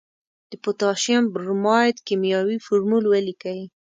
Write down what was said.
د پوتاشیم برماید کیمیاوي فورمول ولیکئ.